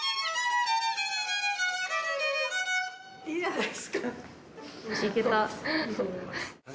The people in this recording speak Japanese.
・いいじゃないですか・弾けた。